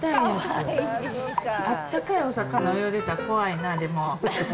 あったかいお魚泳いでたら怖いな、でも。